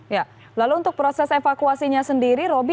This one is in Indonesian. ya lalu untuk proses evakuasinya sendiri roby